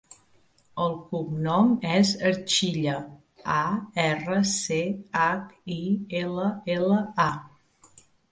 El cognom és Archilla: a, erra, ce, hac, i, ela, ela, a.